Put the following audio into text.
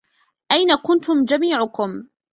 أين كنتم جميعكم؟